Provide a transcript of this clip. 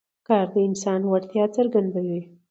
کار د انسان وړتیاوې څرګندوي